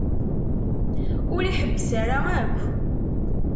Ur iḥebbes ara akk.